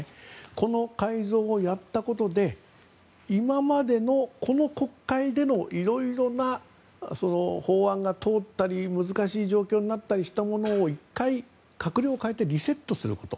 この改造をやったことで今までの、この国会でのいろいろな法案が通ったり難しい状況になったりしたものを１回、閣僚を代えてリセットすること。